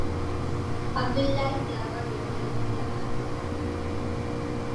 Abdullahi ya ƙware wajen karya ƙa'ida.